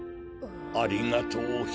ありがとうひめ。